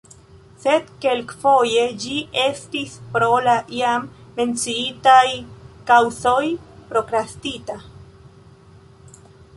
Sed kelkfoje ĝi estis pro la jam menciitaj kaŭzoj prokrastita.